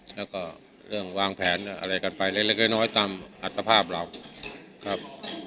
แล้วก็เรื่องวางแผนอะไรกันไปเล็กน้อยตามอัตภาพเราครับ